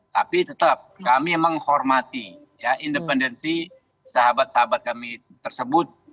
tapi tetap kami menghormati independensi sahabat sahabat kami tersebut